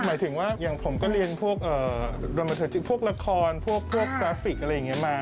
หมายถึงว่าอย่างผมก็เรียนพวกละครพวกกราฟิกอะไรอย่างนี้มา